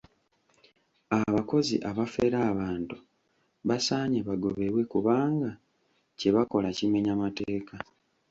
Abakozi abafera abantu basaanye bagobebwe kubanga kye bakola kimenya mateeka.